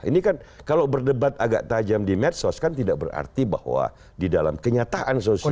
ini kan kalau berdebat agak tajam di medsos kan tidak berarti bahwa di dalam kenyataan sosial